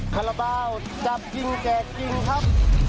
ข้าระเบ้าจับจริงแจกจริงครับ